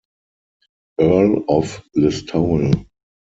Earl of Listowel.